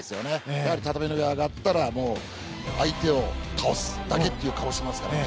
やはり畳の上に上がったら相手を倒すだけという顔をしますからね。